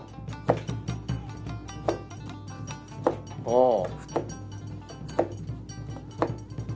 ああ。